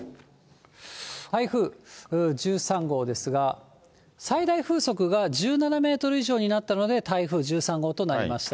台風１３号ですが、最大風速が１７メートル以上になったので、台風１３号となりました。